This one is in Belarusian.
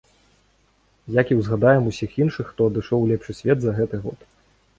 Як і ўзгадаем усіх іншых, хто адышоў у лепшы свет за гэты год.